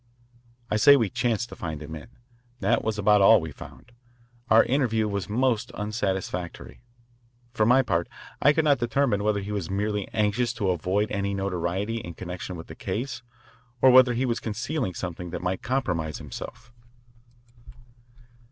I say we chanced to find him in. That was about all we found. Our interview was most unsatisfactory. For my part, I could not determine whether he was merely anxious to avoid any notoriety in connection with the case or whether he was concealing something that might compromise himself.